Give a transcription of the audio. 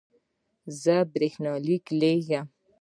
زه برېښنالیک لیږم